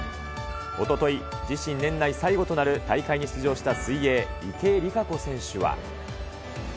おととい、自身年内最後となる大会に出場した水泳、池江璃花子選手は。